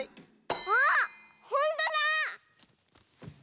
あっほんとだ！